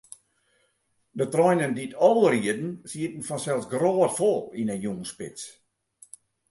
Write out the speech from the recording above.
De treinen dy't ál rieden, sieten fansels grôtfol yn 'e jûnsspits.